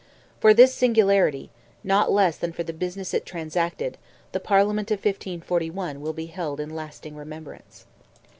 For this singularity, not less than for the business it transacted, the Parliament of 1541 will be held in lasting remembrance.